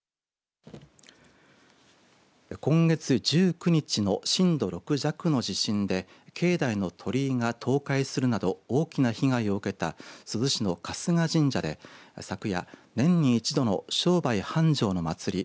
今月１９日の震度６弱の地震で境内の鳥居が倒壊するなど大きな被害を受けた珠洲市の春日神社で昨夜年に一度の商売繁盛の祭り